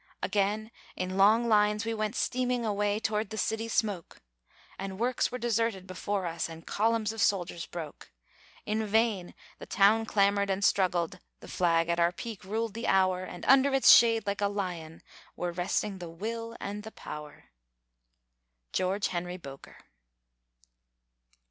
Again, in long lines we went steaming Away towards the city's smoke; And works were deserted before us, And columns of soldiers broke. In vain the town clamored and struggled; The flag at our peak ruled the hour; And under its shade, like a lion, Were resting the will and the power. GEORGE HENRY BOKER.